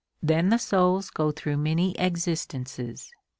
Then the souls go through many existences.